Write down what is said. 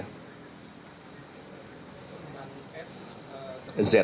pesan sz itu pak kanan z sebagai apa